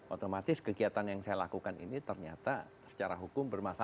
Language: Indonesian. otomatis kegiatan yang saya lakukan ini ternyata secara hukum bermasalah